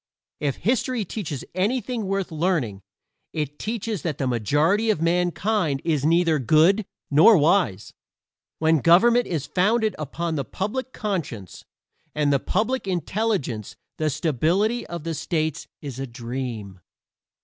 If history teaches anything worth learning it teaches that the majority of mankind is neither good nor wise. When government is founded upon the public conscience and the public intelligence the stability of states is a dream.